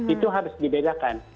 itu harus dibedakan